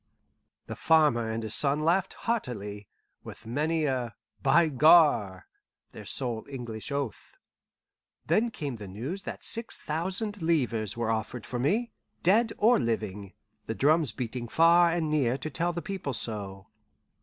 The farmer and his son laughed heartily, with many a "By Gar!" their sole English oath. Then came the news that six thousand livres were offered for me, dead or living, the drums beating far and near to tell the people so.